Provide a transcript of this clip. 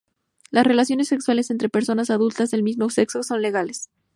Las relaciones sexuales entre personas adultas del mismo sexo son legales.